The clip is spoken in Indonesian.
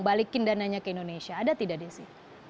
balikin dananya ke indonesia ada tidak desi